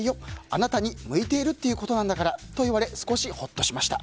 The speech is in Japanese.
あなたに向いているっていうことなんだからと言われ少しホッとしました。